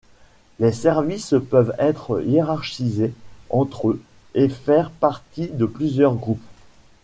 Les services peuvent être hiérarchisés entre eux et faire partie de plusieurs groupes.